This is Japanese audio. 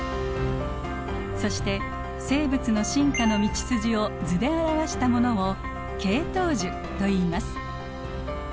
そして生物の進化の道筋を図で表したものを「系統樹」といいます。